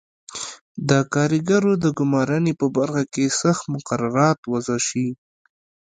د کارګرو د ګومارنې په برخه کې سخت مقررات وضع شوي.